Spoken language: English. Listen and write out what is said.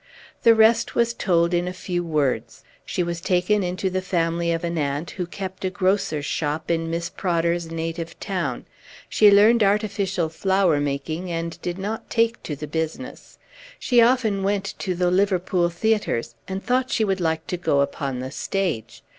The rest was told in a few words. She was taken into the family of an aunt who kept a grocer's shop in Miss Prodder's native town. She learned artificial flower making, and did not take to the business. She went often to the Liverpool theatres, and thought she would like to go upon the stage.